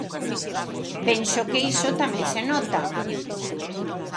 Penso que iso tamén se nota.